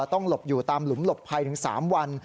หลบอยู่ตามหลุมหลบภัยถึง๓วัน